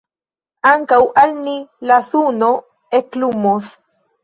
Ankaŭ al ni la suno eklumos.